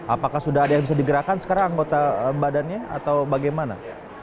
apakah sudah ada yang bisa digerakkan sekarang anggota badannya atau bagaimana